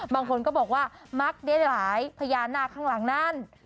บางคนก็บอกว่ามักได้หลายพญานาคข้างหลังนั้น